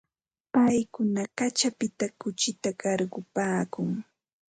Paykuna kaćhapita kuchita qarqupaakun.